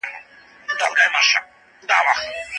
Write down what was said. که مینه وي نو تعلیم نه ضایع کیږي.